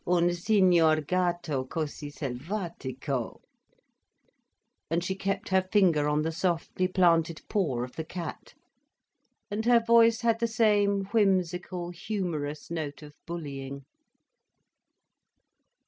Un signor gatto così selvatico—!_" And she kept her finger on the softly planted paw of the cat, and her voice had the same whimsical, humorous note of bullying.